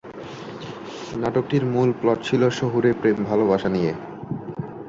নাটকটির মূল প্লট ছিলো শহুরে প্রেম-ভালোবাসা নিয়ে।